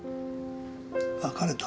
別れた？